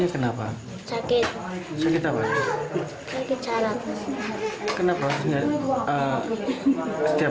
kok gak sekolah